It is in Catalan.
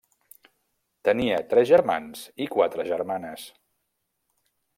Tenia tres germans i quatre germanes.